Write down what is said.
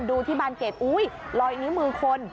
ดูที่บานเกรดอุ๊ยรอยนิ้วมือคน